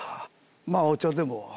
まぁお茶でも。